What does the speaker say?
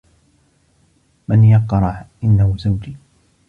من يقرع؟ "إنّه زوجي!"